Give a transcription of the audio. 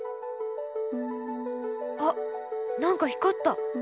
あ何か光った！